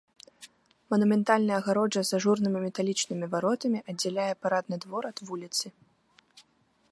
Манументальная агароджа з ажурнымі металічнымі варотамі аддзяляе парадны двор ад вуліцы.